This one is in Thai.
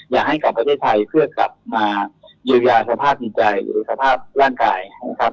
อยากให้กลับประเทศไทยเพื่อกลับมาเยียวยาสภาพจิตใจหรือสภาพร่างกายนะครับ